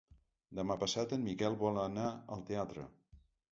Demà passat en Miquel vol anar al teatre.